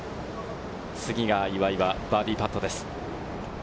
次が岩井はバーディーパットです。